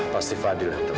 pasti fadil yang telepon